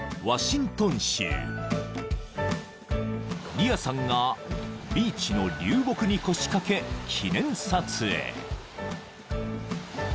［リアさんがビーチの流木に腰掛け記念撮影］